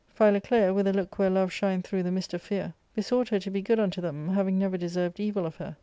Philoclea, with a look where love shined through the mist of fear, besought her to be good unto them, having never deserved evil of her.